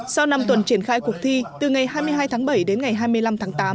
sau năm tuần triển khai cuộc thi từ ngày hai mươi hai tháng bảy đến ngày hai mươi năm tháng tám